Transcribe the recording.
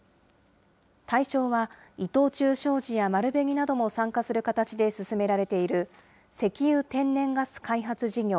対象は、伊藤忠商事や丸紅なども参加する形で進められている、石油・天然ガス開発事業